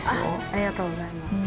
ありがとうございます。